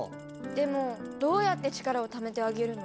でもどうやって力をためてあげるの？